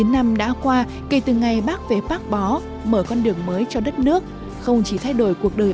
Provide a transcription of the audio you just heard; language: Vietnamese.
bốn mươi năm đã qua kể từ ngày bác về bác bó mở con đường mới cho đất nước không chỉ thay đổi cuộc đời